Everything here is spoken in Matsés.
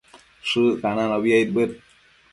Shëccananobi aidbëd